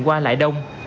qua lại đông